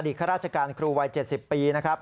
ข้าราชการครูวัย๗๐ปีนะครับ